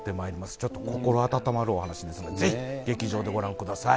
ちょっと心温まるお話ですので、ぜひ劇場でご覧ください。